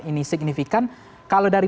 ini signifikan kalau dari